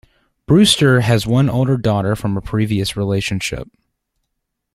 Brewster has one older daughter from a previous relationship.